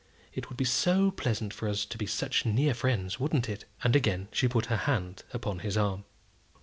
It would be so pleasant for us to be such near friends; wouldn't it?" And again she put her hand upon his arm.